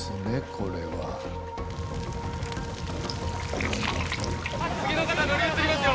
これは次の方乗り移りますよ